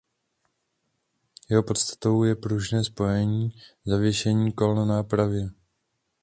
Jeho podstatou je pružné spojení zavěšení kol na nápravě.